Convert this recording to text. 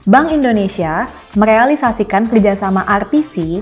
bank indonesia merealisasikan kerjasama rtc